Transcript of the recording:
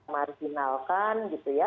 marginalkan gitu ya